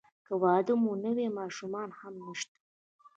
که واده مو نه وي ماشومان هم نشته.